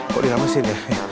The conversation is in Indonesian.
kok diramesin ya